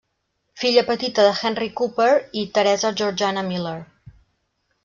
Filla petita de Henry Cooper i Teresa Georgiana Miller.